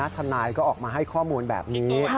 ทนายก็ออกมาให้ข้อมูลแบบนี้